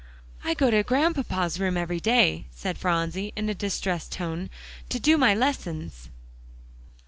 "I go to Grandpapa's room every day," said Phronsie, in a distressed tone, "to my lessons."